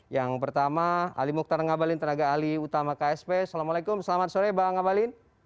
yang pertama ali mukhtar ngabalin tenaga ali utama ksp assalamualaikum selamat sore bang abalin